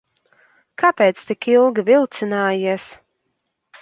Kāpēc tik ilgi vilcinājies?